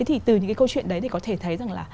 thì từ những cái câu chuyện đấy thì có thể thấy rằng là